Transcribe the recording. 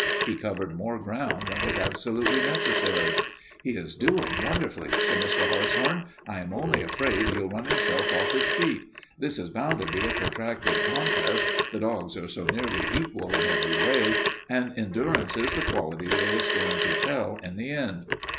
He covered more ground than was absolutely necessary. "He is doing wonderfully," said Mr. Hartshorn. "I am only afraid he'll run himself off his feet. This is bound to be a protracted contest, the dogs are so nearly equal in every way, and endurance is the quality that is going to tell in the end."